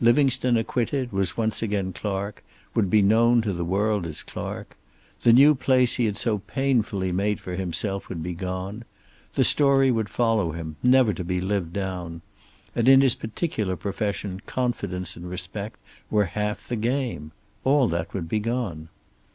Livingstone acquitted was once again Clark, would be known to the world as Clark. The new place he had so painfully made for himself would be gone. The story would follow him, never to be lived down. And in his particular profession confidence and respect were half the game. All that would be gone.